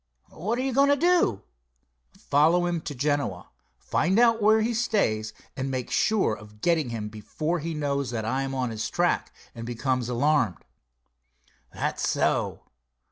"What are you going to do?" "Follow him to Genoa, find out where he stays, and make sure of getting him before he knows that I am on his track and becomes alarmed." "That's so.